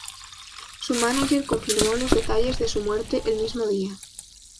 Su mánager confirmó los detalles de su muerte el mismo día.